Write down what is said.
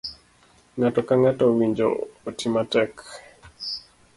Ng'ato ka ng'ato owinjo oti matek.